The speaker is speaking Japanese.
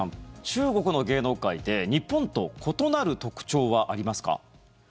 中国の芸能界で日本と異なる特徴はありますか。